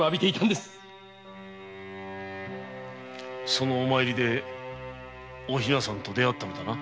そのお参りでお比奈さんと出会ったんだな。